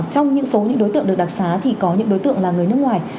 trong những số những đối tượng được đặc xá thì có những đối tượng là người nước ngoài